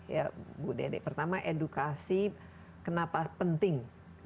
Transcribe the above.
ya bu dede pertama edukasi kenapa penting